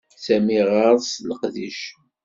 Sami ɣeṛ-s leqdic.